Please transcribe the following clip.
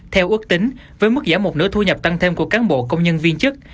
theo ước tính với mức giảm một nửa thu nhập tăng thêm của cán bộ công nhân viên chức